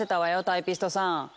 タイピストさん。